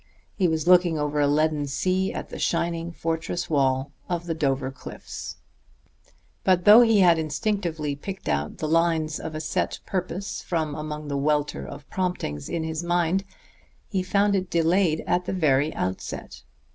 He was looking over a leaden sea at the shining fortress wall of the Dover cliffs. But though he had instinctively picked out the lines of a set purpose from among the welter of promptings in his mind, he found it delayed at the very outset.